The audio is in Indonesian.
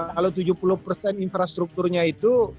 kalau tujuh puluh persen infrastrukturnya itu